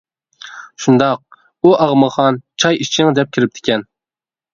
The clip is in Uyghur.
-شۇنداق، ئۇ ئاغمىخان چاي ئىچىڭ دەپ كىرىپتىكەن.